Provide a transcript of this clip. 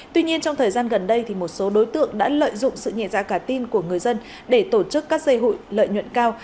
tuy nhiên trong thời gian gần đây một số đối tượng đã lợi dụng sự nhẹ dạ cả tin của người dân để tổ chức các dây hụi lợi nhuận cao